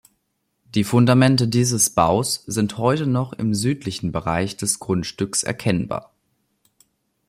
Die Fundamente dieses Baus sind heute noch im südlichen Bereich des Grundstücks erkennbar.